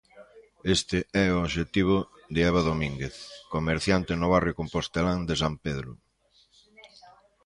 Este é o obxectivo de Eva Domínguez, comerciante no barrio compostelán de San Pedro.